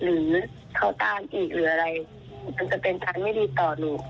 หรือเขาตามอีกหรืออะไรมันจะเป็นทางไม่ดีต่อหนู